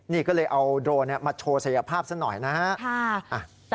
นี่ก็เลยเอาโดรนมาโชว์ศักยภาพซะหน่อยนะฮะ